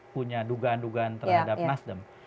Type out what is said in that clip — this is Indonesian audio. punya dugaan dugaan terhadap nasdem